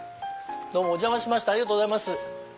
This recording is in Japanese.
お邪魔しましたありがとうございます。